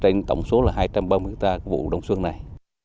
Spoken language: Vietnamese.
trên tổng số là hai trăm ba mươi hectare của vụ đông xuân này